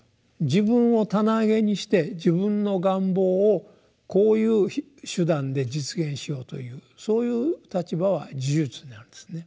自分を棚上げにして自分の願望をこういう手段で実現しようというそういう立場は「呪術」になるんですね。